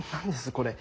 これ。